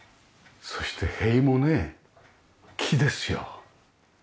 そして塀もね木ですよ。